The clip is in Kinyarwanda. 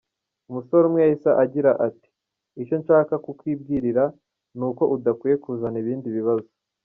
Umusore umwe yahise agira ati “Icyo nshaka kukwibwirira ni uko udakwiye kuzana ibindi bibazo.